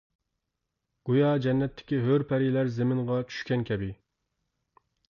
گويا جەننەتتىكى ھۆر-پەرىلەر زېمىنغا چۈشكەن كەبى.